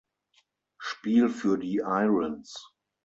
Spiel für die "Irons".